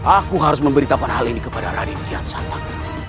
aku harus memberitahukan hal ini kepada raden kian santak